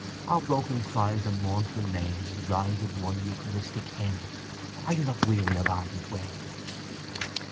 Our broken cries and mournful lays Rise in one eucharistic hymn. Are you not weary of ardent ways?